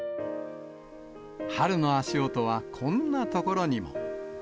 春の足音はこんな所にも。